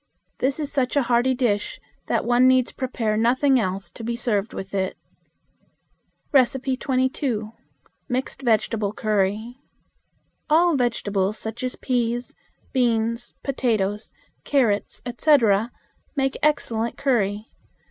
This is such a hearty dish that one needs prepare nothing else to be served with it. 22. Mixed Vegetable Curry. All vegetables such as peas, beans, potatoes, carrots, etc., make excellent curry.